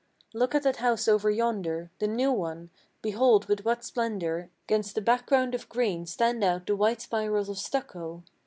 Look at that house over yonder, the new one; behold with what splendor 'Gainst the background of green stand out the white spirals of stucco!